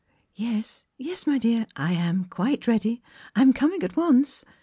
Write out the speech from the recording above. "Yes, yes, my dear, I am quite ready — I am coming at once